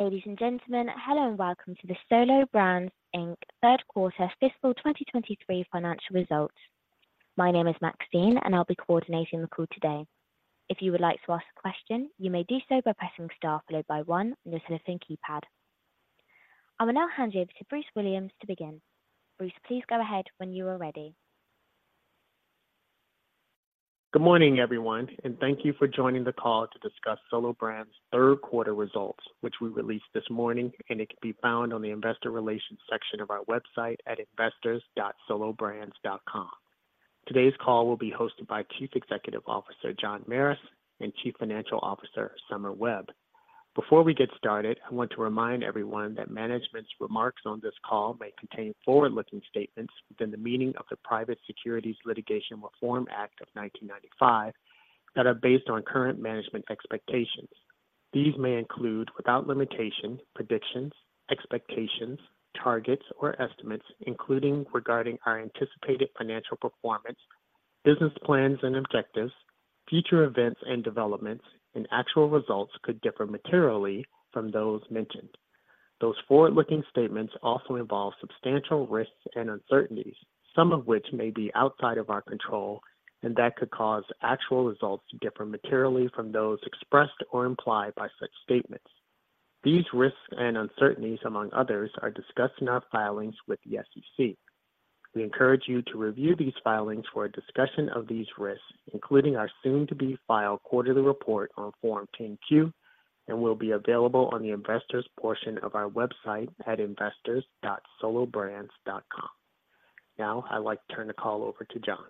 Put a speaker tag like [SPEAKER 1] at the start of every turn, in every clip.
[SPEAKER 1] Ladies and gentlemen, hello and welcome to the Solo Brands, Inc. third quarter fiscal 2023 financial results. My name is Maxine, and I'll be coordinating the call today. If you would like to ask a question, you may do so by pressing star followed by one on your telephone keypad. I will now hand you over to Bruce Williams to begin. Bruce, please go ahead when you are ready.
[SPEAKER 2] Good morning, everyone, and thank you for joining the call to discuss Solo Brands' third quarter results, which we released this morning, and it can be found on the investor relations section of our website at investors.solobrands.com. Today's call will be hosted by Chief Executive Officer, John Merris, and Chief Financial Officer, Somer Webb. Before we get started, I want to remind everyone that management's remarks on this call may contain forward-looking statements within the meaning of the Private Securities Litigation Reform Act of 1995, that are based on current management expectations. These may include, without limitation, predictions, expectations, targets, or estimates, including regarding our anticipated financial performance, business plans and objectives, future events and developments, and actual results could differ materially from those mentioned. Those forward-looking statements also involve substantial risks and uncertainties, some of which may be outside of our control, and that could cause actual results to differ materially from those expressed or implied by such statements. These risks and uncertainties, among others, are discussed in our filings with the SEC. We encourage you to review these filings for a discussion of these risks, including our soon-to-be-filed quarterly report on Form 10-Q, and will be available on the investors portion of our website at investors.solobrands.com. Now, I'd like to turn the call over to John.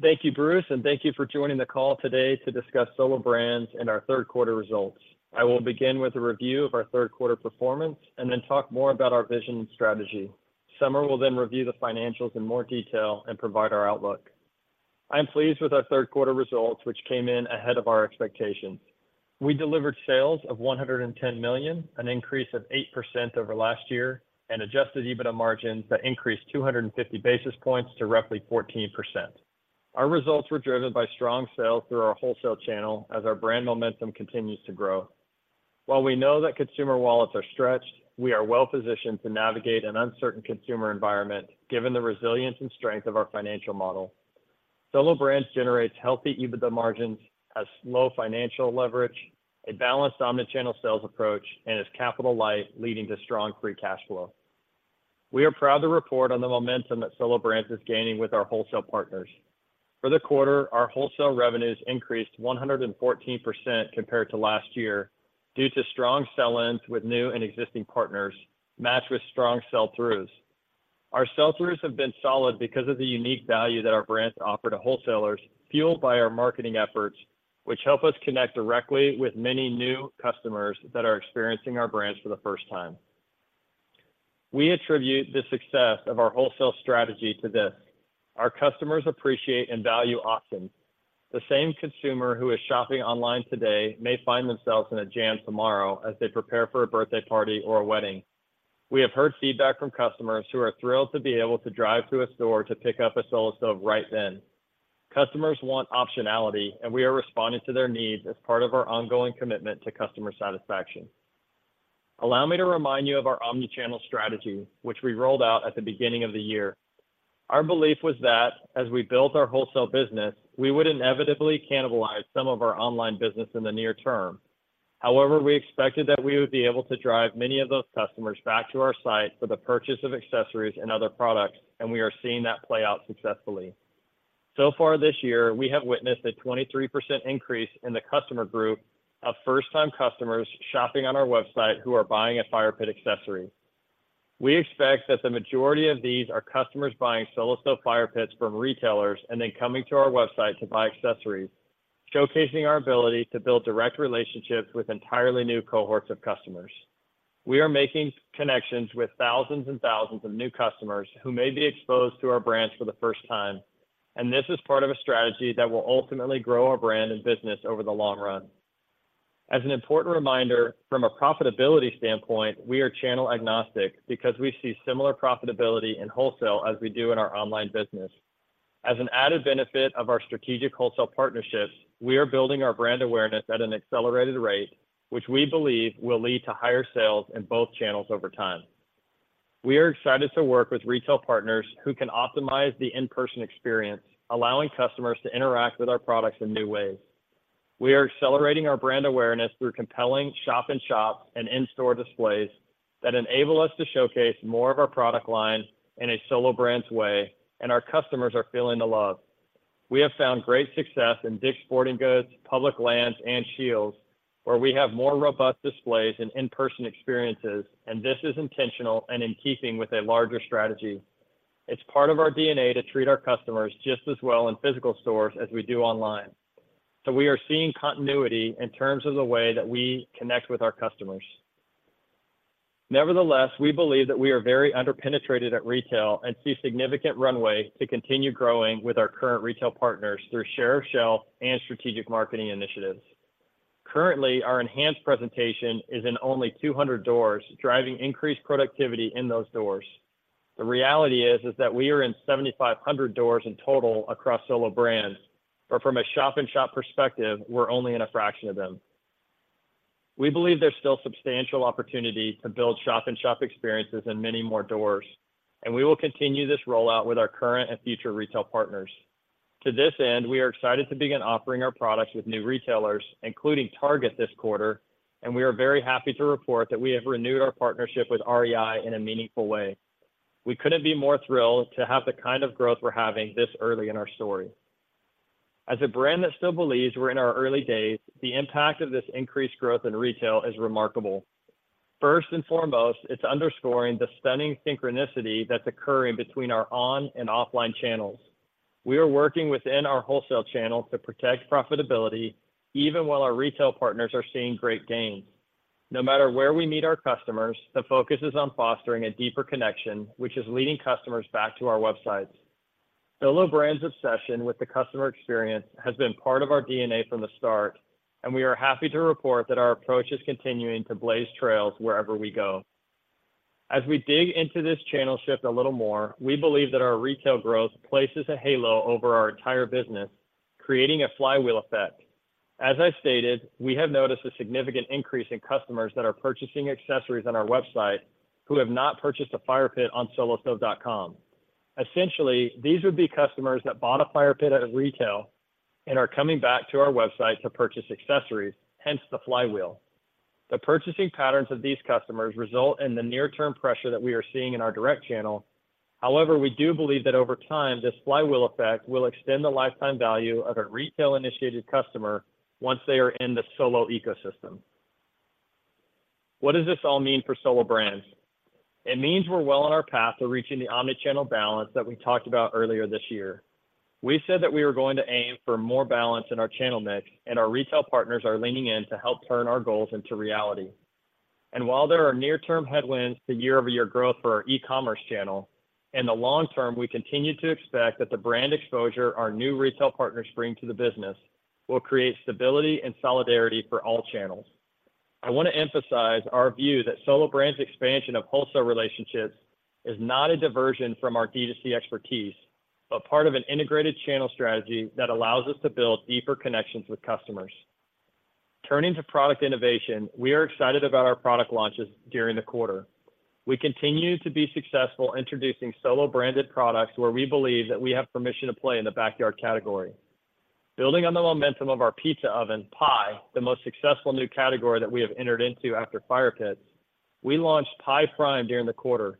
[SPEAKER 3] Thank you, Bruce, and thank you for joining the call today to discuss Solo Brands and our third quarter results. I will begin with a review of our third quarter performance and then talk more about our vision and strategy. Somer will then review the financials in more detail and provide our outlook. I am pleased with our third quarter results, which came in ahead of our expectations. We delivered sales of $110 million, an increase of 8% over last year, and adjusted EBITDA margins that increased 250 basis points to roughly 14%. Our results were driven by strong sales through our wholesale channel as our brand momentum continues to grow. While we know that consumer wallets are stretched, we are well positioned to navigate an uncertain consumer environment, given the resilience and strength of our financial model. Solo Brands generates healthy EBITDA margins, has low financial leverage, a balanced Omni-channel sales approach, and is capital light, leading to strong free cash flow. We are proud to report on the momentum that Solo Brands is gaining with our wholesale partners. For the quarter, our wholesale revenues increased 114% compared to last year due to strong sell-ins with new and existing partners, matched with strong sell-throughs. Our sell-throughs have been solid because of the unique value that our brands offer to wholesalers, fueled by our marketing efforts, which help us connect directly with many new customers that are experiencing our brands for the first time. We attribute the success of our wholesale strategy to this. Our customers appreciate and value options. The same consumer who is shopping online today may find themselves in a jam tomorrow as they prepare for a birthday party or a wedding. We have heard feedback from customers who are thrilled to be able to drive to a store to pick up a Solo Stove right then. Customers want optionality, and we are responding to their needs as part of our ongoing commitment to customer satisfaction. Allow me to remind you of our Omni-channel strategy, which we rolled out at the beginning of the year. Our belief was that as we built our wholesale business, we would inevitably cannibalize some of our online business in the near term. However, we expected that we would be able to drive many of those customers back to our site for the purchase of accessories and other products, and we are seeing that play out successfully. So far this year, we have witnessed a 23% increase in the customer group of first-time customers shopping on our website who are buying a fire pit accessory. We expect that the majority of these are customers buying Solo Stove fire pits from retailers and then coming to our website to buy accessories, showcasing our ability to build direct relationships with entirely new cohorts of customers. We are making connections with thousands and thousands of new customers who may be exposed to our brands for the first time, and this is part of a strategy that will ultimately grow our brand and business over the long run. As an important reminder, from a profitability standpoint, we are channel agnostic because we see similar profitability in wholesale as we do in our online business. As an added benefit of our strategic wholesale partnerships, we are building our brand awareness at an accelerated rate, which we believe will lead to higher sales in both channels over time. We are excited to work with retail partners who can optimize the in-person experience, allowing customers to interact with our products in new ways. We are accelerating our brand awareness through compelling shop-in-shops and in-store displays that enable us to showcase more of our product line in a Solo Brands way, and our customers are feeling the love. We have found great success in Dick's Sporting Goods, Public Lands, and Scheels, where we have more robust displays and in-person experiences, and this is intentional and in keeping with a larger strategy. It's part of our DNA to treat our customers just as well in physical stores as we do online. So we are seeing continuity in terms of the way that we connect with our customers. Nevertheless, we believe that we are very under-penetrated at retail and see significant runway to continue growing with our current retail partners through share of shelf and strategic marketing initiatives. Currently, our enhanced presentation is in only 200 doors, driving increased productivity in those doors. The reality is that we are in 7,500 doors in total across Solo Brands, but from a shop-in-shop perspective, we're only in a fraction of them. We believe there's still substantial opportunity to build shop-in-shop experiences in many more doors, and we will continue this rollout with our current and future retail partners. To this end, we are excited to begin offering our products with new retailers, including Target this quarter, and we are very happy to report that we have renewed our partnership with REI in a meaningful way. We couldn't be more thrilled to have the kind of growth we're having this early in our story. As a brand that still believes we're in our early days, the impact of this increased growth in retail is remarkable. First and foremost, it's underscoring the stunning synchronicity that's occurring between our on and offline channels. We are working within our wholesale channel to protect profitability, even while our retail partners are seeing great gains. No matter where we meet our customers, the focus is on fostering a deeper connection, which is leading customers back to our websites. Solo Brands' obsession with the customer experience has been part of our DNA from the start, and we are happy to report that our approach is continuing to blaze trails wherever we go. As we dig into this channel shift a little more, we believe that our retail growth places a halo over our entire business, creating a flywheel effect. As I stated, we have noticed a significant increase in customers that are purchasing accessories on our website who have not purchased a fire pit on solostove.com. Essentially, these would be customers that bought a fire pit out of retail and are coming back to our website to purchase accessories, hence the flywheel. The purchasing patterns of these customers result in the near-term pressure that we are seeing in our direct channel. However, we do believe that over time, this flywheel effect will extend the lifetime value of a retail-initiated customer once they are in the Solo ecosystem. What does this all mean for Solo Brands? It means we're well on our path to reaching the omni-channel balance that we talked about earlier this year. We said that we were going to aim for more balance in our channel mix, and our retail partners are leaning in to help turn our goals into reality. While there are near-term headwinds to year-over-year growth for our e-commerce channel, in the long term, we continue to expect that the brand exposure our new retail partners bring to the business will create stability and solidarity for all channels. I want to emphasize our view that Solo Brands' expansion of wholesale relationships is not a diversion from our D2C expertise, but part of an integrated channel strategy that allows us to build deeper connections with customers. Turning to product innovation, we are excited about our product launches during the quarter. We continue to be successful introducing Solo-branded products where we believe that we have permission to play in the backyard category. Building on the momentum of our pizza oven, Pi, the most successful new category that we have entered into after fire pits, we launched Pi Prime during the quarter.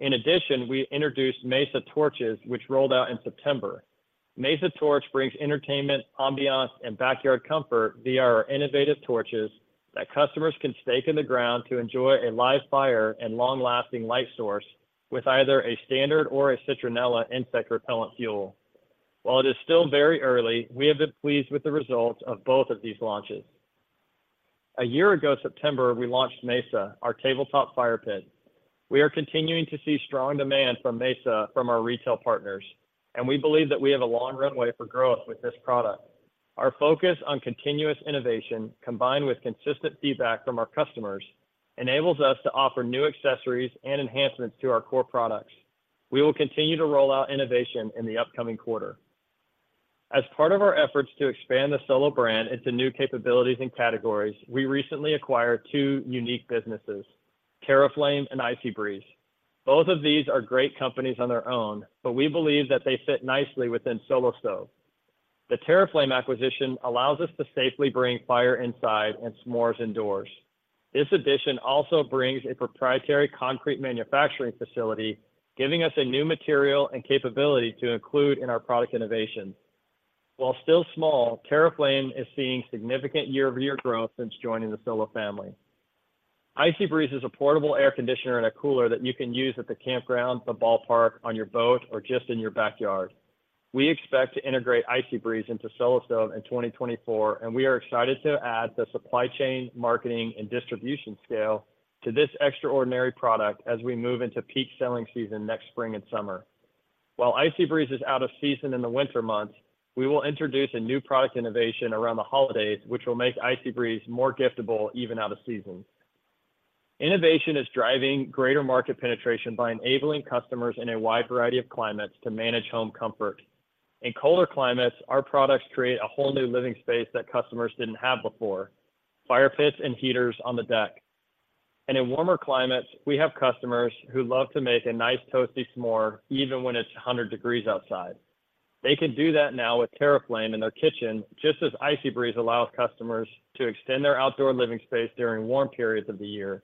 [SPEAKER 3] In addition, we introduced Mesa Torches, which rolled out in September. Mesa Torch brings entertainment, ambiance, and backyard comfort via our innovative torches that customers can stake in the ground to enjoy a live fire and long-lasting light source with either a standard or a citronella insect repellent fuel. While it is still very early, we have been pleased with the results of both of these launches. A year ago September, we launched Mesa, our tabletop fire pit. We are continuing to see strong demand from Mesa from our retail partners, and we believe that we have a long runway for growth with this product. Our focus on continuous innovation, combined with consistent feedback from our customers, enables us to offer new accessories and enhancements to our core products. We will continue to roll out innovation in the upcoming quarter. As part of our efforts to expand the Solo brand into new capabilities and categories, we recently acquired two unique businesses, TerraFlame and IcyBreeze. Both of these are great companies on their own, but we believe that they fit nicely within Solo Stove. The TerraFlame acquisition allows us to safely bring fire inside and s'mores indoors. This addition also brings a proprietary concrete manufacturing facility, giving us a new material and capability to include in our product innovation. While still small, TerraFlame is seeing significant year-over-year growth since joining the Solo family. IcyBreeze is a portable air conditioner and a cooler that you can use at the campground, the ballpark, on your boat, or just in your backyard. We expect to integrate IcyBreeze into Solo Stove in 2024, and we are excited to add the supply chain, marketing, and distribution scale to this extraordinary product as we move into peak selling season next spring and summer. While IcyBreeze is out of season in the winter months, we will introduce a new product innovation around the holidays, which will make IcyBreeze more giftable even out of season. Innovation is driving greater market penetration by enabling customers in a wide variety of climates to manage home comfort. In colder climates, our products create a whole new living space that customers didn't have before, fire pits and heaters on the deck. In warmer climates, we have customers who love to make a nice toasty s'more even when it's 100 degrees outside. They can do that now with TerraFlame in their kitchen, just as IcyBreeze allows customers to extend their outdoor living space during warm periods of the year.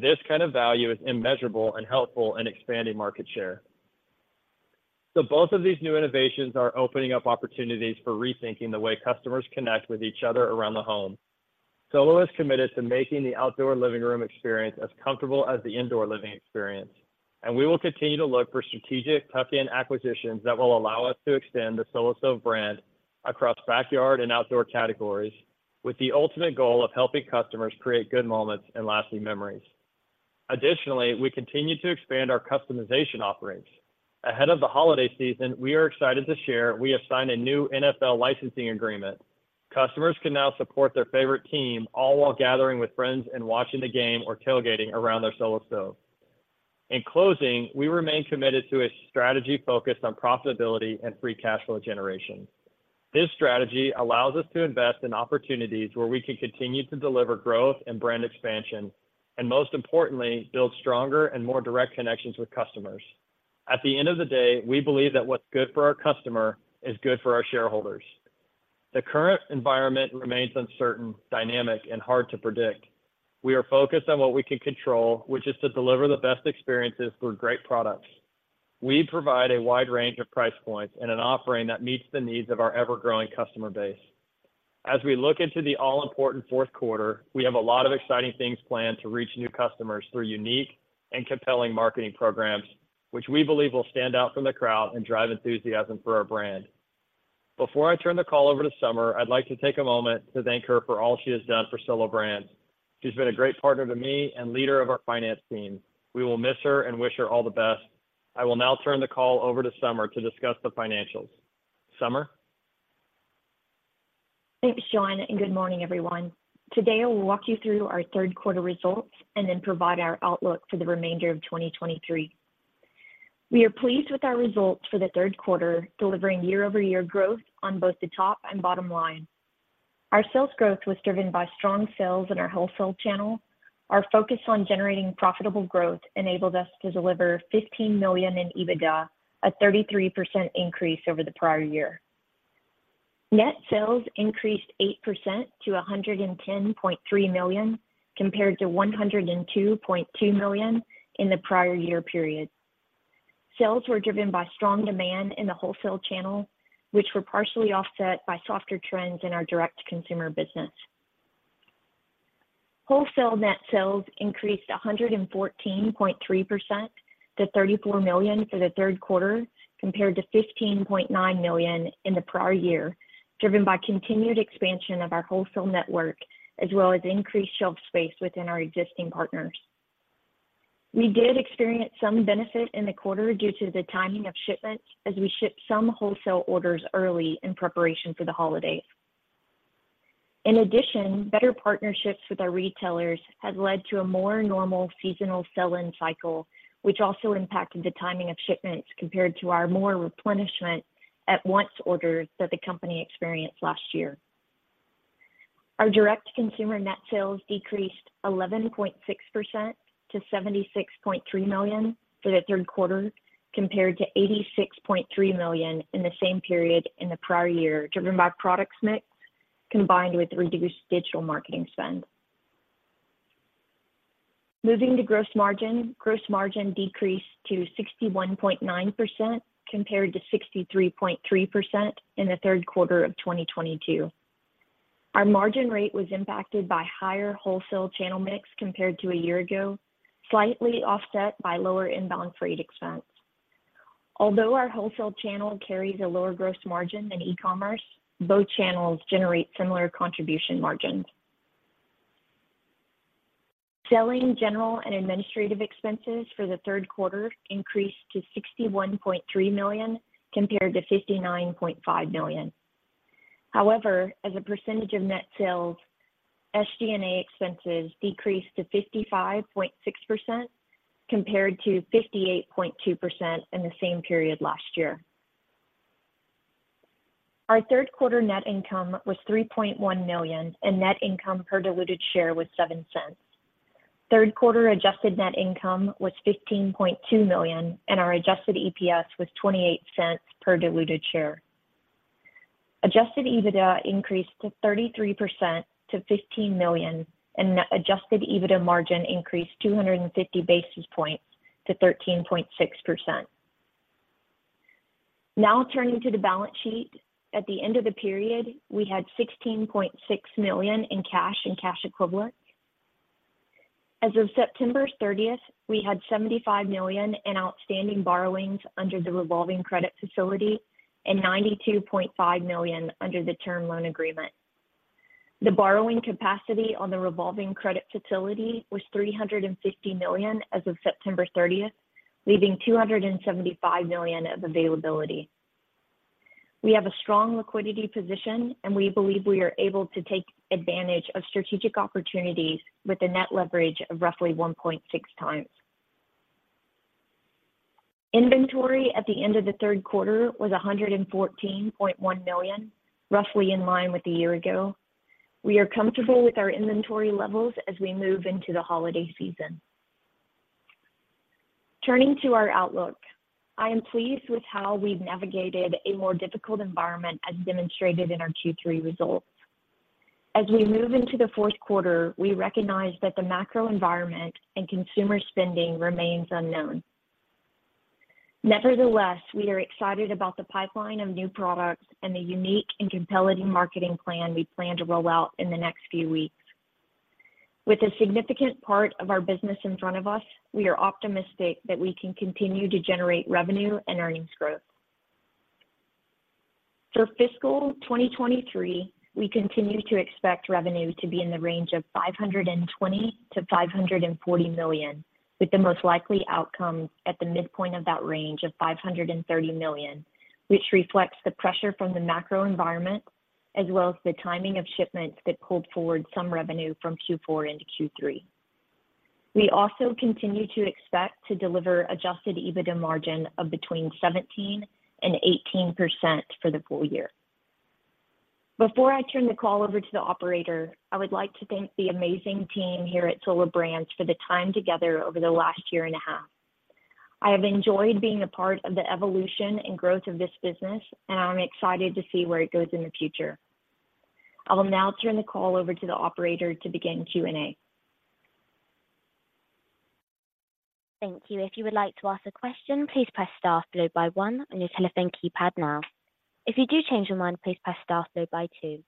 [SPEAKER 3] This kind of value is immeasurable and helpful in expanding market share. Both of these new innovations are opening up opportunities for rethinking the way customers connect with each other around the home. Solo is committed to making the outdoor living room experience as comfortable as the indoor living experience, and we will continue to look for strategic tuck-in acquisitions that will allow us to extend the Solo Stove brand across backyard and outdoor categories, with the ultimate goal of helping customers create good moments and lasting memories. Additionally, we continue to expand our customization offerings. Ahead of the holiday season, we are excited to share we have signed a new NFL licensing agreement.... Customers can now support their favorite team, all while gathering with friends and watching the game or tailgating around their Solo Stove. In closing, we remain committed to a strategy focused on profitability and free cash flow generation. This strategy allows us to invest in opportunities where we can continue to deliver growth and brand expansion, and most importantly, build stronger and more direct connections with customers. At the end of the day, we believe that what's good for our customer is good for our shareholders. The current environment remains uncertain, dynamic, and hard to predict. We are focused on what we can control, which is to deliver the best experiences through great products. We provide a wide range of price points and an offering that meets the needs of our ever-growing customer base. As we look into the all-important fourth quarter, we have a lot of exciting things planned to reach new customers through unique and compelling marketing programs, which we believe will stand out from the crowd and drive enthusiasm for our brand. Before I turn the call over to Somer, I'd like to take a moment to thank her for all she has done for Solo Brands. She's been a great partner to me and leader of our finance team. We will miss her and wish her all the best. I will now turn the call over to Somer to discuss the financials. Somer?
[SPEAKER 4] Thanks, John, and good morning, everyone. Today, I will walk you through our third quarter results and then provide our outlook for the remainder of 2023. We are pleased with our results for the third quarter, delivering year-over-year growth on both the top and bottom line. Our sales growth was driven by strong sales in our wholesale channel. Our focus on generating profitable growth enabled us to deliver $15 million in EBITDA, a 33% increase over the prior year. Net sales increased 8% to $110.3 million, compared to $102.2 million in the prior year period. Sales were driven by strong demand in the wholesale channel, which were partially offset by softer trends in our direct-to-consumer business. Wholesale net sales increased 114.3% to $34 million for the third quarter, compared to $15.9 million in the prior year, driven by continued expansion of our wholesale network, as well as increased shelf space within our existing partners. We did experience some benefit in the quarter due to the timing of shipments, as we shipped some wholesale orders early in preparation for the holidays. In addition, better partnerships with our retailers has led to a more normal seasonal sell-in cycle, which also impacted the timing of shipments compared to our more replenishment at once orders that the company experienced last year. Our direct consumer net sales decreased 11.6% to $76.3 million for the third quarter, compared to $86.3 million in the same period in the prior year, driven by product mix, combined with reduced digital marketing spend. Moving to gross margin. Gross margin decreased to 61.9%, compared to 63.3% in the third quarter of 2022. Our margin rate was impacted by higher wholesale channel mix compared to a year ago, slightly offset by lower inbound freight expense. Although our wholesale channel carries a lower gross margin than e-commerce, both channels generate similar contribution margins. Selling, general, and administrative expenses for the third quarter increased to $61.3 million, compared to $59.5 million. However, as a percentage of net sales, SG&A expenses decreased to 55.6%, compared to 58.2% in the same period last year. Our third quarter net income was $3.1 million, and net income per diluted share was $0.07. Third quarter adjusted net income was $15.2 million, and our adjusted EPS was $0.28 per diluted share. Adjusted EBITDA increased 33% to $15 million, and adjusted EBITDA margin increased 250 basis points to 13.6%. Now, turning to the balance sheet. At the end of the period, we had $16.6 million in cash and cash equivalents. As of September 30th, we had $75 million in outstanding borrowings under the revolving credit facility and $92.5 million under the term loan agreement. The borrowing capacity on the revolving credit facility was $350 million as of September thirtieth, leaving $275 million of availability. We have a strong liquidity position, and we believe we are able to take advantage of strategic opportunities with a net leverage of roughly 1.6x. Inventory at the end of the third quarter was $114.1 million, roughly in line with a year ago. We are comfortable with our inventory levels as we move into the holiday season. Turning to our outlook, I am pleased with how we've navigated a more difficult environment, as demonstrated in our Q3 results. As we move into the fourth quarter, we recognize that the macro environment and consumer spending remains unknown. Nevertheless, we are excited about the pipeline of new products and the unique and compelling marketing plan we plan to roll out in the next few weeks. With a significant part of our business in front of us, we are optimistic that we can continue to generate revenue and earnings growth. For fiscal 2023, we continue to expect revenue to be in the range of $520 million-$540 million, with the most likely outcome at the midpoint of that range of $530 million, which reflects the pressure from the macro environment, as well as the timing of shipments that pulled forward some revenue from Q4 into Q3. We also continue to expect to deliver Adjusted EBITDA margin of between 17%-18% for the full year. Before I turn the call over to the operator, I would like to thank the amazing team here at Solo Brands for the time together over the last year and a half. I have enjoyed being a part of the evolution and growth of this business, and I'm excited to see where it goes in the future. I will now turn the call over to the operator to begin Q&A.
[SPEAKER 1] Thank you. If you would like to ask a question, please press star followed by one on your telephone keypad now. If you do change your mind, please press star followed by two.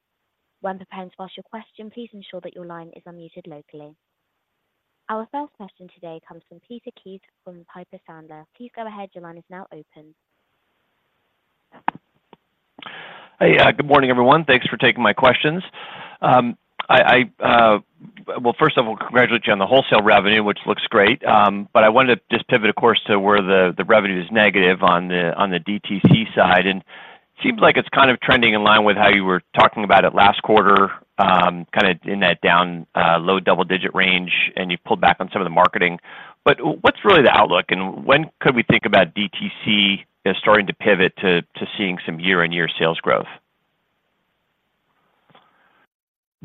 [SPEAKER 1] When preparing to ask your question, please ensure that your line is unmuted locally. Our first question today comes from Peter Keith from Piper Sandler. Please go ahead. Your line is now open.
[SPEAKER 5] Hey, good morning, everyone. Thanks for taking my questions. Well, first of all, congratulate you on the wholesale revenue, which looks great, but I wanted to just pivot, of course, to where the revenue is negative on the DTC side, and seems like it's kind of trending in line with how you were talking about it last quarter, kinda in that down low double-digit range, and you pulled back on some of the marketing. But what's really the outlook, and when could we think about DTC as starting to pivot to seeing some year-on-year sales growth?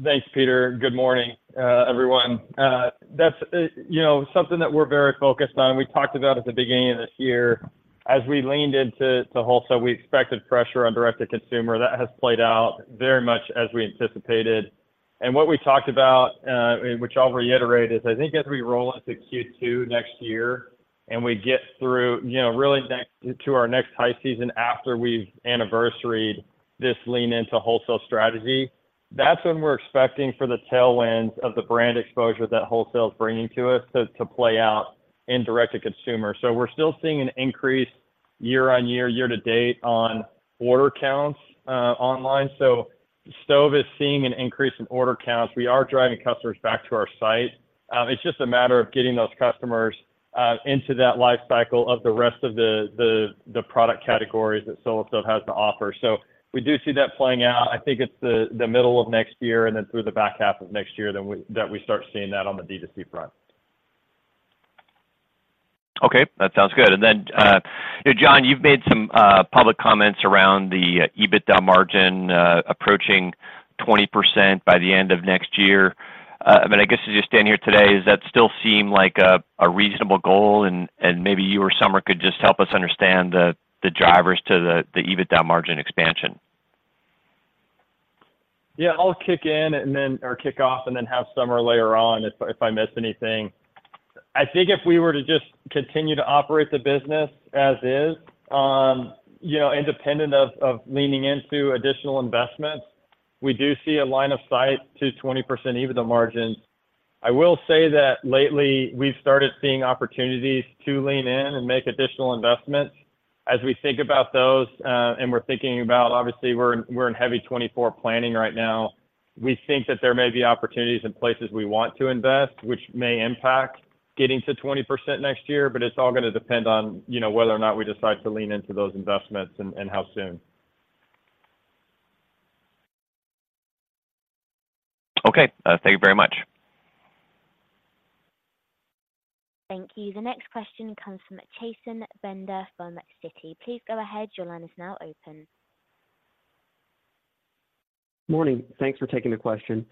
[SPEAKER 3] Thanks, Peter. Good morning, everyone. That's, you know, something that we're very focused on. We talked about at the beginning of this year, as we leaned into wholesale, we expected pressure on direct-to-consumer. That has played out very much as we anticipated. And what we talked about, and which I'll reiterate, is I think as we roll into Q2 next year and we get through, you know, really next to our next high season after we've anniversaried this lean-into-wholesale strategy, that's when we're expecting for the tailwinds of the brand exposure that wholesale is bringing to us to play out in direct-to-consumer. So we're still seeing an increase year-on-year, year-to-date on order counts, online. So Stove is seeing an increase in order counts. We are driving customers back to our site. It's just a matter of getting those customers into that life cycle of the rest of the product categories that Solo Stove has to offer. So we do see that playing out. I think it's the middle of next year and then through the back half of next year, then we, that we start seeing that on the D2C front.
[SPEAKER 5] Okay, that sounds good. And then, John, you've made some public comments around the EBITDA margin approaching 20% by the end of next year. But I guess, as you stand here today, does that still seem like a reasonable goal, and maybe you or Somer could just help us understand the drivers to the EBITDA margin expansion?
[SPEAKER 3] Yeah, I'll kick in and then-- or kick off, and then have Somer later on if, if I miss anything. I think if we were to just continue to operate the business as is, you know, independent of, of leaning into additional investments, we do see a line of sight to 20% EBITDA margins. I will say that lately we've started seeing opportunities to lean in and make additional investments. As we think about those, and we're thinking about-- obviously, we're, we're in heavy 2024 planning right now, we think that there may be opportunities in places we want to invest, which may impact getting to 20% next year, but it's all gonna depend on, you know, whether or not we decide to lean into those investments and, and how soon.
[SPEAKER 5] Okay. Thank you very much.
[SPEAKER 1] Thank you. The next question comes from Chasen Bender from Citi. Please go ahead. Your line is now open.
[SPEAKER 6] Morning. Thanks for taking the question.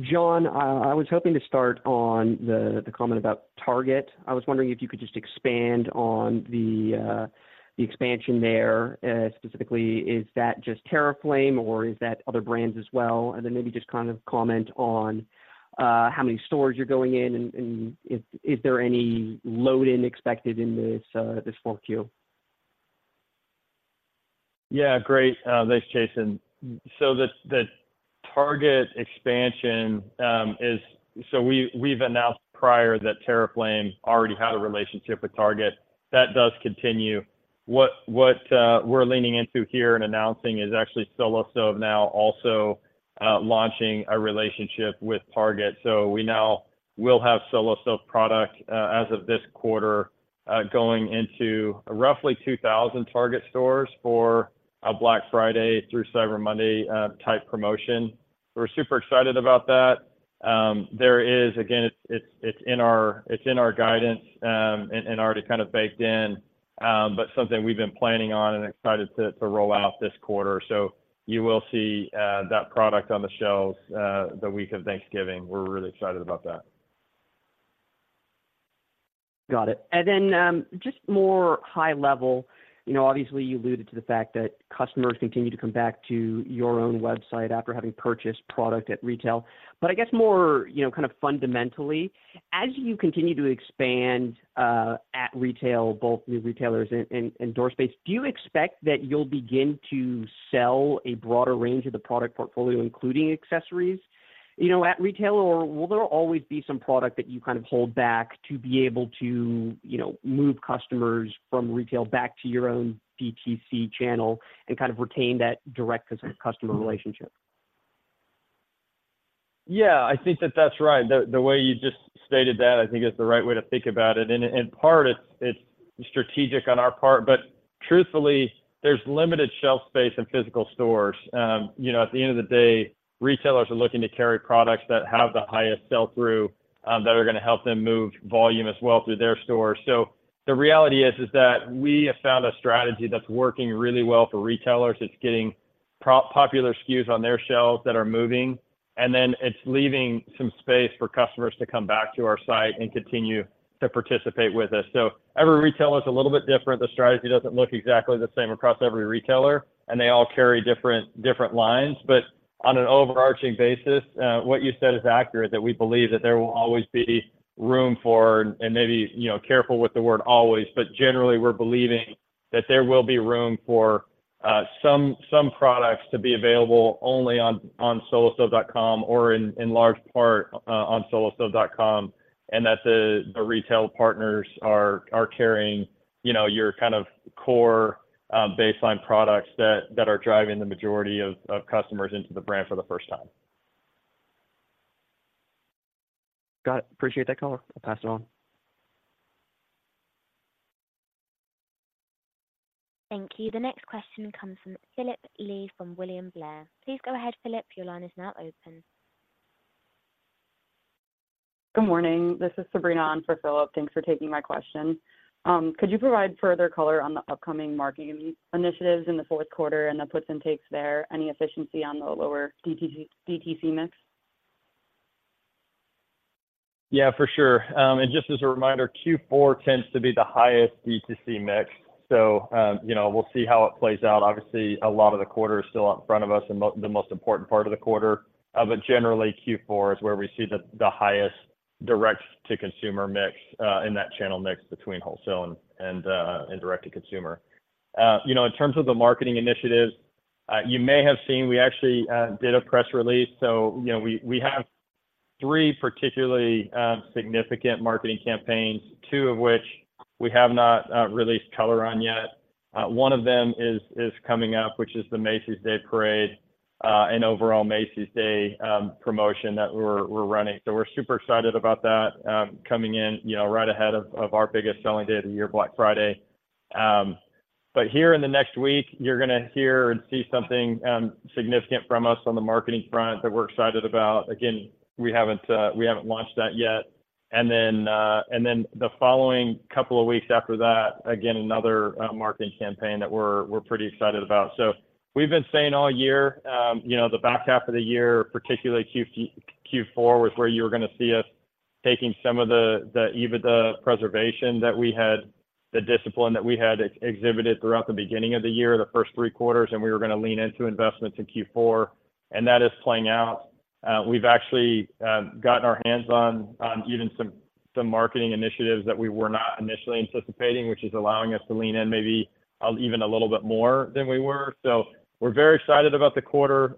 [SPEAKER 6] John, I was hoping to start on the comment about Target. I was wondering if you could just expand on the expansion there. Specifically, is that just TerraFlame, or is that other brands as well? And then maybe just kind of comment on how many stores you're going in, and is there any load-in expected in this fourth Q?
[SPEAKER 3] Yeah, great. Thanks, Chasen. So the Target expansion is. So we, we've announced prior that TerraFlame already had a relationship with Target. That does continue. What we're leaning into here and announcing is actually Solo Stove now also launching a relationship with Target. So we now will have Solo Stove product as of this quarter going into roughly 2,000 Target stores for a Black Friday through Cyber Monday type promotion. We're super excited about that. There is, again, it's in our guidance and already kind of baked in, but something we've been planning on and excited to roll out this quarter. So you will see that product on the shelves the week of Thanksgiving. We're really excited about that.
[SPEAKER 6] Got it. And then, just more high level, you know, obviously, you alluded to the fact that customers continue to come back to your own website after having purchased product at retail. But I guess more, you know, kind of fundamentally, as you continue to expand, at retail, both new retailers and door space, do you expect that you'll begin to sell a broader range of the product portfolio, including accessories, you know, at retail? Or will there always be some product that you kind of hold back to be able to, you know, move customers from retail back to your own DTC channel and kind of retain that direct customer relationship?
[SPEAKER 3] Yeah, I think that that's right. The way you just stated that, I think is the right way to think about it. And in part, it's strategic on our part, but truthfully, there's limited shelf space in physical stores. You know, at the end of the day, retailers are looking to carry products that have the highest sell-through, that are gonna help them move volume as well through their stores. So the reality is that we have found a strategy that's working really well for retailers. It's getting popular SKUs on their shelves that are moving, and then it's leaving some space for customers to come back to our site and continue to participate with us. So every retailer is a little bit different. The strategy doesn't look exactly the same across every retailer, and they all carry different lines. But on an overarching basis, what you said is accurate, that we believe that there will always be room for, and maybe, you know, careful with the word always, but generally, we're believing that there will be room for some products to be available only on solostove.com or in large part on solostove.com, and that the retail partners are carrying, you know, your kind of core baseline products that are driving the majority of customers into the brand for the first time.
[SPEAKER 6] Got it. Appreciate that color. I'll pass it on.
[SPEAKER 1] Thank you. The next question comes from Phillip Blee from William Blair. Please go ahead, Phillip. Your line is now open.
[SPEAKER 7] Good morning. This is Sabrina on for Phillip. Thanks for taking my question. Could you provide further color on the upcoming marketing initiatives in the fourth quarter and the puts and takes there, any efficiency on the lower DTC, DTC mix?
[SPEAKER 3] Yeah, for sure. And just as a reminder, Q4 tends to be the highest DTC mix. So, you know, we'll see how it plays out. Obviously, a lot of the quarter is still out in front of us, and the most important part of the quarter. But generally, Q4 is where we see the highest direct-to-consumer mix in that channel mix between wholesale and direct-to-consumer. You know, in terms of the marketing initiatives, you may have seen, we actually did a press release. So, you know, we have three particularly significant marketing campaigns, two of which we have not released color on yet. One of them is coming up, which is the Macy's Day Parade, and overall, Macy's Day promotion that we're running. So we're super excited about that, coming in, you know, right ahead of, of our biggest selling day of the year, Black Friday. But here in the next week, you're gonna hear and see something, significant from us on the marketing front that we're excited about. Again, we haven't, we haven't launched that yet. And then, and then the following couple of weeks after that, again, another, marketing campaign that we're, we're pretty excited about. So we've been saying all year, you know, the back half of the year, particularly Q4, was where you were gonna see us taking some of the, the EBITDA preservation that we had, the discipline that we had exhibited throughout the beginning of the year, the first three quarters, and we were gonna lean into investments in Q4, and that is playing out. We've actually gotten our hands on even some marketing initiatives that we were not initially anticipating, which is allowing us to lean in maybe even a little bit more than we were. So we're very excited about the quarter.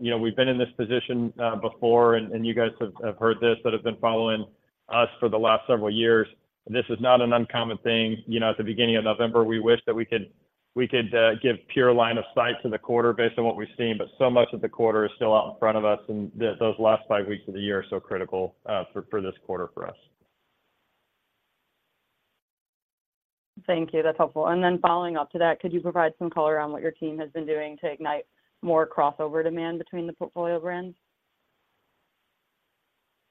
[SPEAKER 3] You know, we've been in this position before, and you guys have heard this, that have been following us for the last several years. This is not an uncommon thing. You know, at the beginning of November, we wish that we could give pure line of sight to the quarter based on what we've seen, but so much of the quarter is still out in front of us, and those last five weeks of the year are so critical for this quarter for us.
[SPEAKER 7] Thank you. That's helpful. And then following up to that, could you provide some color around what your team has been doing to ignite more crossover demand between the portfolio brands?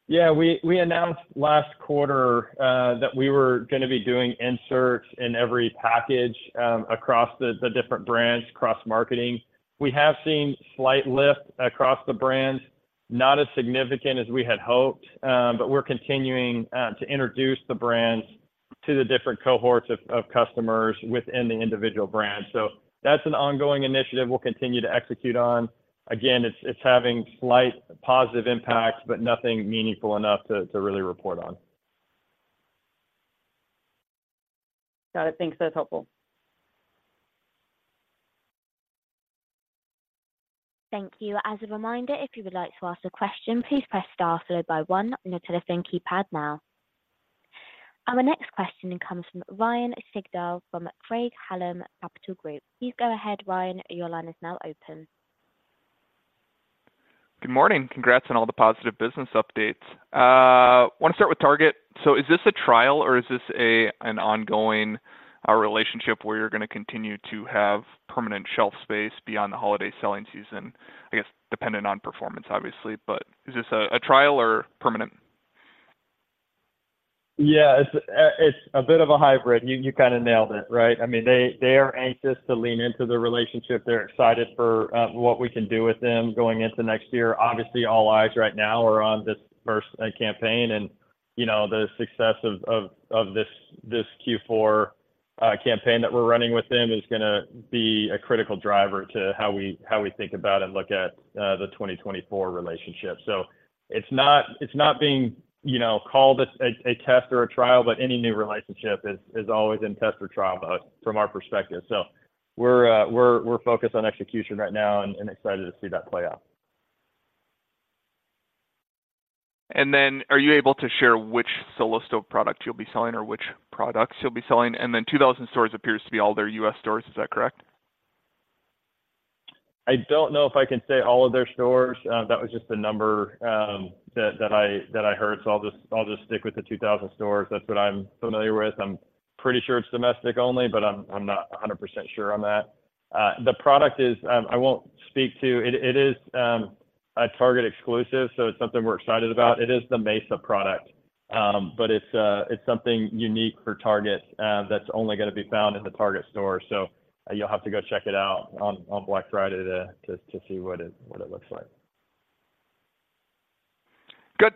[SPEAKER 3] Yeah, we announced last quarter that we were gonna be doing inserts in every package across the different brands, cross-marketing. We have seen slight lift across the brands, not as significant as we had hoped, but we're continuing to introduce the brands to the different cohorts of customers within the individual brands. So that's an ongoing initiative we'll continue to execute on. Again, it's having slight positive impacts, but nothing meaningful enough to really report on.
[SPEAKER 7] Got it. Thanks. That's helpful.
[SPEAKER 1] Thank you. As a reminder, if you would like to ask a question, please press star followed by one on your telephone keypad now. Our next question comes from Ryan Sigdahl from Craig-Hallum Capital Group. Please go ahead, Ryan. Your line is now open.
[SPEAKER 8] Good morning. Congrats on all the positive business updates. Want to start with Target. So is this a trial, or is this an ongoing relationship where you're gonna continue to have permanent shelf space beyond the holiday selling season? I guess, dependent on performance, obviously, but is this a trial or permanent?
[SPEAKER 3] Yeah, it's a bit of a hybrid. You kinda nailed it, right? I mean, they are anxious to lean into the relationship. They're excited for what we can do with them going into next year. Obviously, all eyes right now are on this first campaign, and, you know, the success of this Q4 campaign that we're running with them is gonna be a critical driver to how we think about and look at the 2024 relationship. So it's not being, you know, called a test or a trial, but any new relationship is always in test or trial from our perspective. So we're focused on execution right now and excited to see that play out.
[SPEAKER 8] And then are you able to share which Solo Stove product you'll be selling or which products you'll be selling? And then 2,000 stores appears to be all their U.S. stores. Is that correct? ...
[SPEAKER 3] I don't know if I can say all of their stores. That was just the number that I heard. So I'll just stick with the 2,000 stores. That's what I'm familiar with. I'm pretty sure it's domestic only, but I'm not 100% sure on that. The product is, I won't speak to it, it is a Target exclusive, so it's something we're excited about. It is the Mesa product, but it's something unique for Target, that's only gonna be found in the Target store. So, you'll have to go check it out on Black Friday to see what it looks like.
[SPEAKER 8] Good.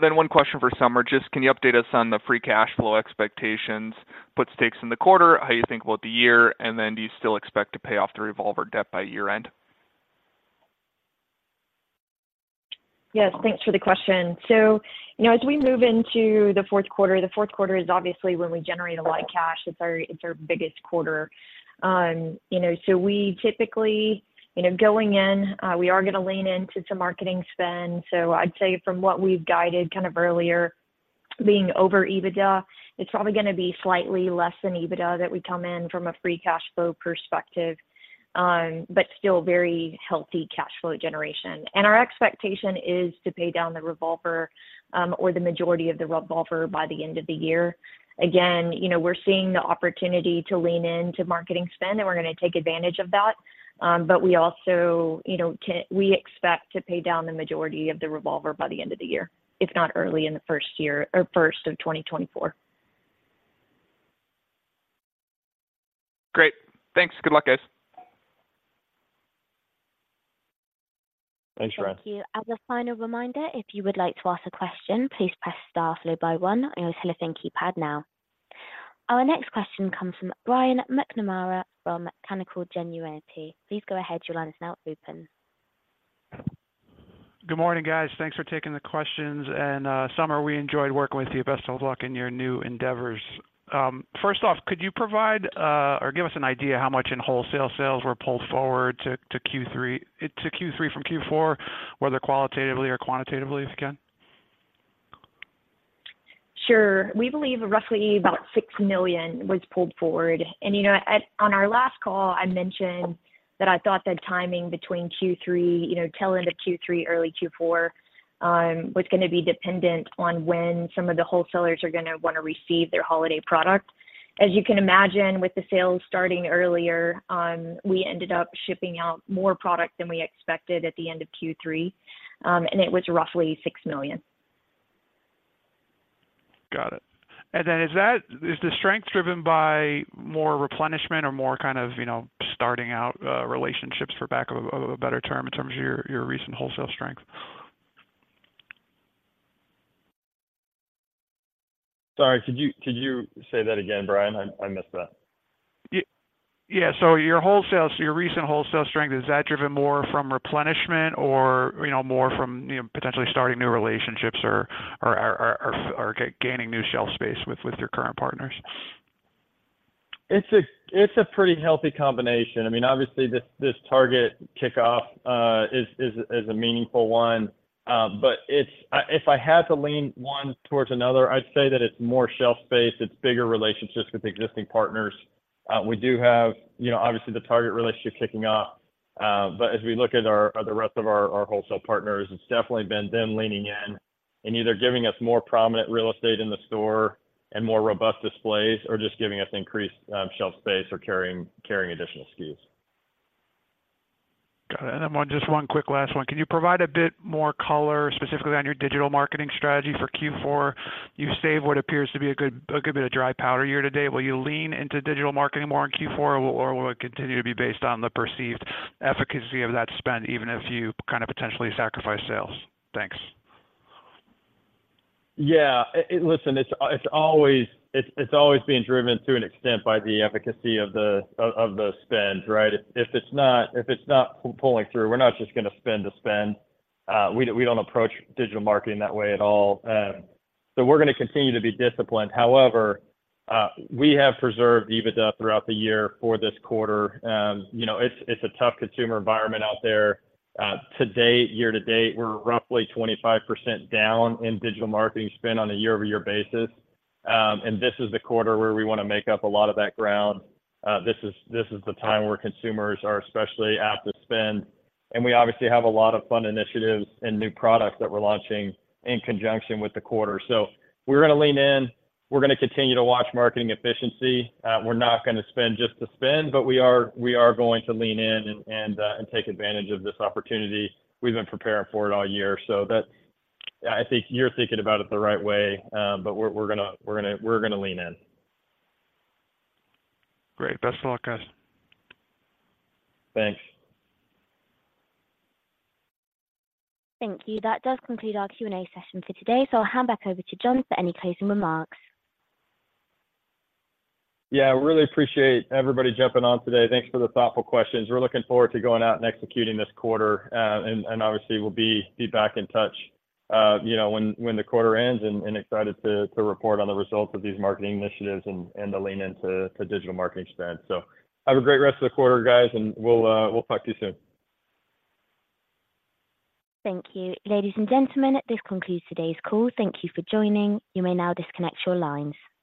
[SPEAKER 8] Then one question for Somer. Just can you update us on the free cash flow expectations, what's at stake in the quarter, how you think about the year, and then do you still expect to pay off the revolver debt by year-end?
[SPEAKER 4] Yes. Thanks for the question. So, you know, as we move into the fourth quarter, the fourth quarter is obviously when we generate a lot of cash. It's our, it's our biggest quarter. You know, so we typically, you know, going in, we are gonna lean into some marketing spend. So I'd say from what we've guided kind of earlier, being over EBITDA, it's probably gonna be slightly less than EBITDA that we come in from a free cash flow perspective, but still very healthy cash flow generation. And our expectation is to pay down the revolver, or the majority of the revolver by the end of the year. Again, you know, we're seeing the opportunity to lean into marketing spend, and we're gonna take advantage of that. But we also, you know, we expect to pay down the majority of the revolver by the end of the year, if not early in the first year or first of 2024.
[SPEAKER 8] Great. Thanks. Good luck, guys.
[SPEAKER 3] Thanks, Ryan.
[SPEAKER 1] Thank you. As a final reminder, if you would like to ask a question, please press star followed by one on your telephone keypad now. Our next question comes from Brian McNamara from Canaccord Genuity. Please go ahead. Your line is now open.
[SPEAKER 9] Good morning, guys. Thanks for taking the questions, and, Somer, we enjoyed working with you. Best of luck in your new endeavors. First off, could you provide, or give us an idea how much in wholesale sales were pulled forward to Q3 from Q4, whether qualitatively or quantitatively, if you can?
[SPEAKER 4] Sure. We believe roughly about $6 million was pulled forward. You know, on our last call, I mentioned that I thought the timing between Q3, you know, tail end of Q3, early Q4, was gonna be dependent on when some of the wholesalers are gonna wanna receive their holiday product. As you can imagine, with the sales starting earlier, we ended up shipping out more product than we expected at the end of Q3, and it was roughly $6 million.
[SPEAKER 9] Got it. And then is the strength driven by more replenishment or more kind of, you know, starting out relationships for lack of a better term, in terms of your recent wholesale strength?
[SPEAKER 3] Sorry, could you say that again, Brian? I missed that.
[SPEAKER 9] Yeah. So your recent wholesale strength, is that driven more from replenishment or, you know, more from, you know, potentially starting new relationships or gaining new shelf space with your current partners?
[SPEAKER 3] It's a pretty healthy combination. I mean, obviously, this Target kickoff is a meaningful one. But it's... If I had to lean one towards another, I'd say that it's more shelf space. It's bigger relationships with existing partners. We do have, you know, obviously, the Target relationship kicking off, but as we look at the rest of our wholesale partners, it's definitely been them leaning in and either giving us more prominent real estate in the store and more robust displays, or just giving us increased shelf space or carrying additional SKUs.
[SPEAKER 9] Got it. And then one, just one quick last one. Can you provide a bit more color, specifically on your digital marketing strategy for Q4? You've saved what appears to be a good, a good bit of dry powder year to date. Will you lean into digital marketing more in Q4, or, or will it continue to be based on the perceived efficacy of that spend, even if you kinda potentially sacrifice sales? Thanks.
[SPEAKER 3] Yeah. Listen, it's always being driven to an extent by the efficacy of the spend, right? If it's not pulling through, we're not just gonna spend to spend. We don't approach Digital Marketing that way at all. So we're gonna continue to be disciplined. However, we have preserved EBITDA throughout the year for this quarter. You know, it's a tough consumer environment out there. To date, year to date, we're roughly 25% down in Digital Marketing spend on a year-over-year basis, and this is the quarter where we wanna make up a lot of that ground. This is the time where consumers are especially apt to spend, and we obviously have a lot of fun initiatives and new products that we're launching in conjunction with the quarter. So we're gonna lean in, we're gonna continue to watch marketing efficiency. We're not gonna spend just to spend, but we are going to lean in and take advantage of this opportunity. We've been preparing for it all year, so that... I think you're thinking about it the right way, but we're gonna lean in.
[SPEAKER 9] Great. Best of luck, guys.
[SPEAKER 3] Thanks.
[SPEAKER 1] Thank you. That does conclude our Q&A session for today, so I'll hand back over to John for any closing remarks.
[SPEAKER 3] Yeah, really appreciate everybody jumping on today. Thanks for the thoughtful questions. We're looking forward to going out and executing this quarter, and obviously, we'll be back in touch, you know, when the quarter ends, and excited to report on the results of these marketing initiatives and to lean into digital marketing spend. So have a great rest of the quarter, guys, and we'll talk to you soon.
[SPEAKER 1] Thank you. Ladies and gentlemen, this concludes today's call. Thank you for joining. You may now disconnect your lines.